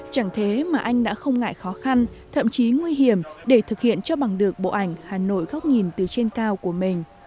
chẳng thế mà anh đã không ngại khó khăn thậm chí nguy hiểm để thực hiện cho bằng được bộ ảnh hà nội góc nhìn từ trên cao của mình